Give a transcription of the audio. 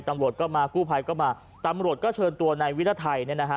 ตำรวจก็มากู้ภัยก็มาตำรวจก็เชิญตัวนายวิรไทยเนี่ยนะฮะ